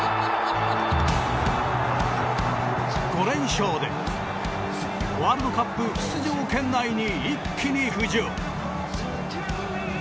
５連勝でワールドカップ出場圏内に一気に浮上。